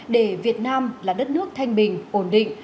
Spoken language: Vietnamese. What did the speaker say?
để việt nam là đất nước thanh bình ổn định